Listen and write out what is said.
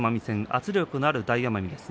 圧力がある大奄美です。